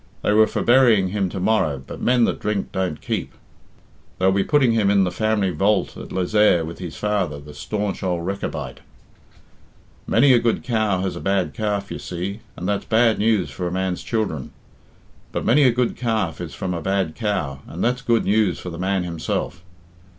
"They were for burying him to morrow, but men that drink don't keep. They'll be putting him in the family vault at Lezayre with his father, the staunch ould Rechabite. Many a good cow has a bad calf, you see, and that's bad news for a man's children; but many a good calf is from a bad cow, and that's good news for the man himself.